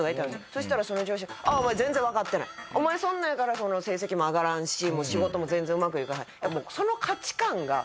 そしたらその上司がああお前全然わかってないお前そんなんやから成績も上がらんし仕事も全然うまくいかへん。